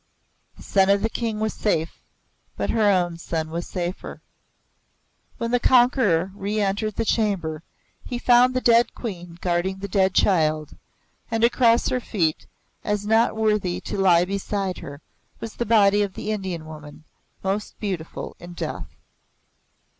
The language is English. The son of the King was safe, but her own son safer. When the conqueror reentered the chamber, he found the dead Queen guarding the dead child, and across her feet, as not worthy to lie beside her, was the body of the Indian woman, most beautiful in death.